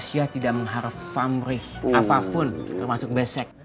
asalnya ya tidak mengharapkan apa pun termasuk besok